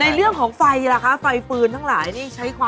เรื่องของไฟล่ะคะไฟฟืนทั้งหลายนี่ใช้ความ